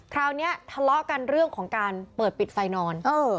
คราวนี้ทะเลาะกันเรื่องของการเปิดปิดไฟนอน